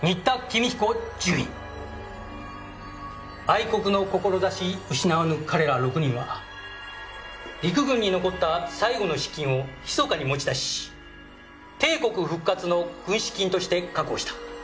愛国の志失わぬ彼ら６人は陸軍に残った最後の資金を密かに持ち出し帝国復活の軍資金として確保した。